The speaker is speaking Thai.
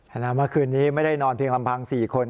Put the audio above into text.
นะเมื่อคืนนี้ไม่ได้นอนเพียงลำพัง๔คน